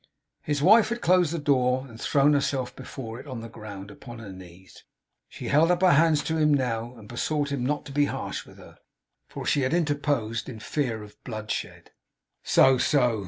His wife had closed the door, and thrown herself before it, on the ground, upon her knees. She held up her hands to him now, and besought him not to be harsh with her, for she had interposed in fear of bloodshed. 'So, so!